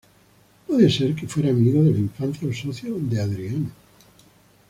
Puede ser que fuera amigo de la infancia o socio de Adriano.